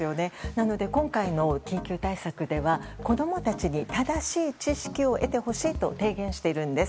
なので今回の緊急対策では子供たちに正しい知識を得てほしいと提言しているんです。